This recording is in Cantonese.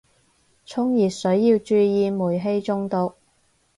沖熱水要注意煤氣中毒